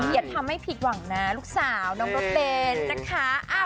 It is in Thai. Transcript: อย่าทำให้ผิดหวังนะลูกสาวน้องรถเบนนะคะ